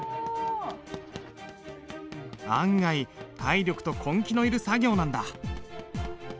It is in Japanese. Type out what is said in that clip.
案外体力と根気のいる作業なんだ。